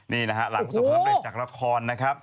นี่ระหละราบคาวองศ์ล้ำเดชจากละคร